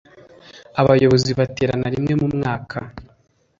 abayobozi baterana rimwe mu mwaka